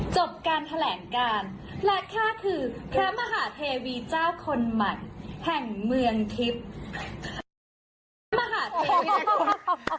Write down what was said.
จบการแถลงการและข้าคือพระมหาเทวีเจ้าคนใหม่แห่งเมืองทิพย์มหาเทพ